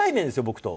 僕と！